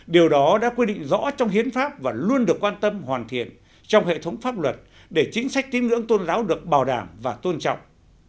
điều đó đã quy định rõ trong hiến pháp và luôn được quan tâm hoàn thiện trong hệ thống pháp luật để chính sách tín ngưỡng tôn giáo được bảo đảm và tôn trọng